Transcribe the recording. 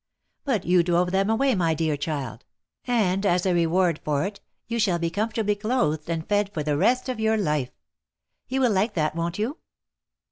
But you drove them away, my dear child, and as a reward for it, you shall be com fortably clothed and fed for the rest of your life. You will like that, won't you?"